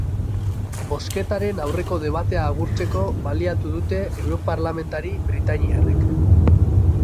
Bozketaren aurreko debatea agurtzeko baliatu dute europarlamentari britainiarrek.